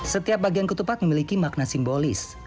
setiap bagian ketupat memiliki makna simbolis